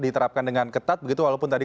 diterapkan dengan ketat begitu walaupun tadi